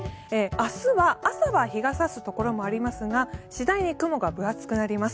明日は朝は日が差すところもありますが次第に雲が分厚くなります。